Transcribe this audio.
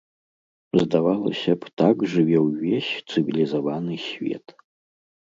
Здавалася б, так жыве ўвесь цывілізаваны свет.